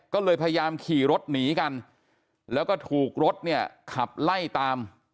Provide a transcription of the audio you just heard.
ก็เลยพยายามขี่รถหนีกันแล้วก็ถูกรถเนี่ยขับไล่ตาม